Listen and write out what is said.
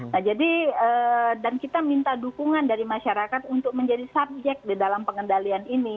nah jadi dan kita minta dukungan dari masyarakat untuk menjadi subjek di dalam pengendalian ini